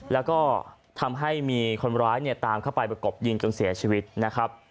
แล้วก็ทำให้มีคนร้ายเนี่ยตามเข้าไปประกบยิงจนเสียชีวิตนะครับ